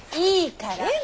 いいから！